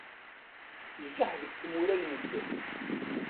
Ijaḥ deg tmura n medden.